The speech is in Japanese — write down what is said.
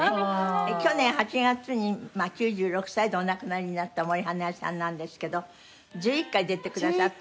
去年８月に９６歳でお亡くなりになった森英恵さんなんですけど１１回出てくださってるんですけど。